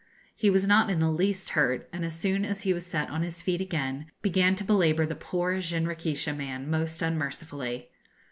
He was not in the least hurt, and, as soon as he was set on his feet again, began to belabour the poor jinrikisha man most unmercifully.